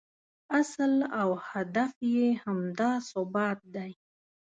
اصل او هدف یې همدا ثبات دی.